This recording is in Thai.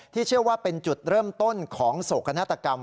เชื่อว่าเป็นจุดเริ่มต้นของโศกนาฏกรรม